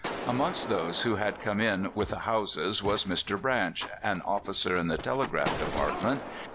Amongst those who had come in with the Hausas was Mr. Branch, an officer in the telegraph department.